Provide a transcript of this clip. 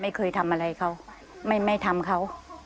ไม่เคยทำอะไรเขาไม่ทำเขา